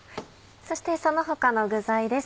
そしてその他の具材です